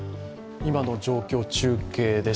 今の状況、中継です。